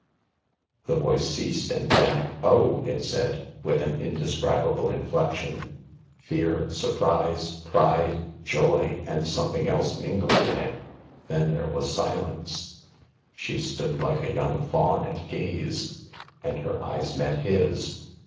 The voice ceased, and then, " Oh !" it said, with an indescribable inflection. Fear, surprise, pride, joy, and some thing else mingled in it. Then there was silence. She stood like a young fawn at gaze. And her eyes met his.